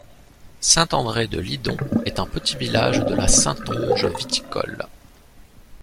Saint-André-de-Lidon est un petit village de la Saintonge viticole.